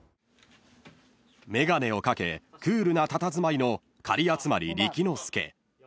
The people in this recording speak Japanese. ［眼鏡をかけクールなたたずまいの狩集理紀之助］